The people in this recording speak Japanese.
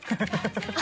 ハハハ